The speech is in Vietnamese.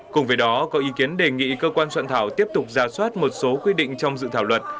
cùng với đó có ý kiến đề nghị cơ quan soạn thảo tiếp tục ra soát một số quy định trong dự thảo luật